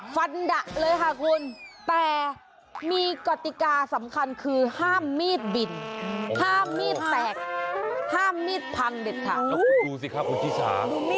ฟันด่ะเลยค่ะคุณแต่มีกราตริกาสำคัญคือห้ามมีดบินห้ามมีดแตกห้ามมีดพังครับครับ